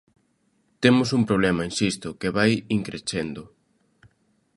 Temos un problema, insisto, que vai in crescendo.